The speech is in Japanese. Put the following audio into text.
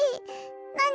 なに？